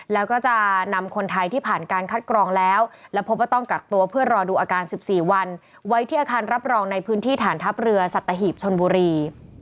แล้วก็จะนำคนไทยที่ผ่านการคัดกรองแล้วและพบว่าต้องกักตัวเพื่อรอดูอาการ๑๔วันไว้ที่อาคารรับรองในพื้นที่ฐานทัพเรือสัตหีบชนบุรี